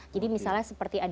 jadi misalnya seperti ada gas